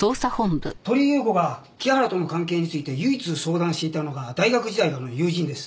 鳥居優子が木原との関係について唯一相談していたのが大学時代からの友人です。